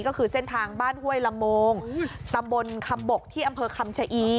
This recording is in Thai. ก็คือเส้นทางบ้านห้วยละโมงตำบลคำบกที่อำเภอคำชะอี